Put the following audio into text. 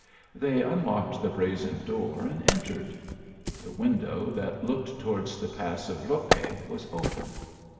They unlocked the brazen door and entered. The window that looked towards the pass of Lope was open.